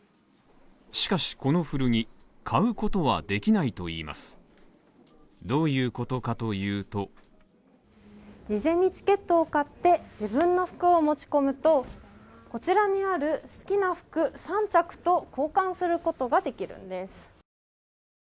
しかしこの古着買うことはできないといいますどういうことかというと事前にチケットを買って、自分の服を持ち込むと、こちらにある好きな服３着と交換することができるんです。